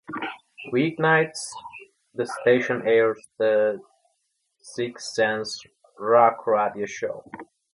Weeknights, the station airs the "Sixx Sense" rock radio show.